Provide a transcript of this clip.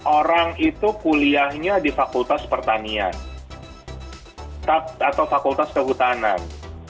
orang itu kuliahnya di fakultas pertanian atau fakultas kehutanan